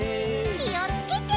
きをつけて。